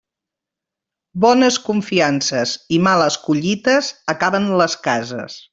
Bones confiances i males collites acaben les cases.